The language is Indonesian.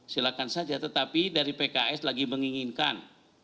silahkan saja tetapi dari pks lagi menginginkan